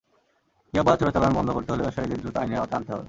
ইয়াবা চোরাচালান বন্ধ করতে হলে ব্যবসায়ীদের দ্রুত আইনের আওতায় আনতে হবে।